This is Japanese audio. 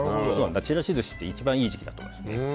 ちらし寿司って一番いい時期だと思いますね。